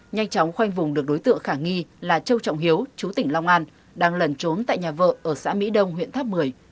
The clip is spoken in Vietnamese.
nhanh chóng khoanh vùng được đối tượng khả nghi là châu trọng hiếu chú tỉnh long an đang lần trốn tại nhà vợ ở xã mỹ đông huyện tháp một mươi